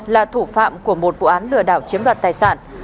là thủ phạm của một vụ án lừa đảo chiếm đoạt tài sản